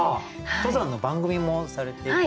登山の番組もされている？